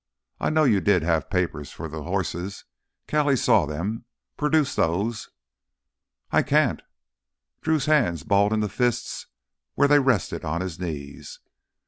I know you did have papers for the horses—Callie saw them. Produce those...." "I can't." Drew's hands balled into fists where they rested on his knees.